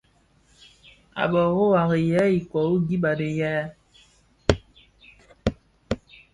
A bërô à rì yêê ikoɔ wu gib bi riyal.